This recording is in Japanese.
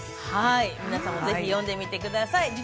皆さんもぜひ読んでみてください。